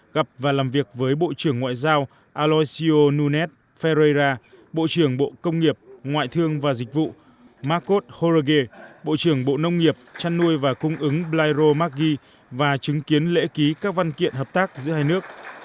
gặp và làm việc với bộ trưởng ngoại giao aloshio nunet ferrera bộ trưởng bộ công nghiệp ngoại thương và dịch vụ marcos jorge bộ trưởng bộ nông nghiệp chăn nuôi và cung ứng blairo magi và chứng kiến lễ ký các văn kiện hợp tác giữa hai nước